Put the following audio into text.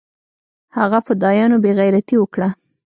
هغه فدايانو بې غيرتي اوکړه.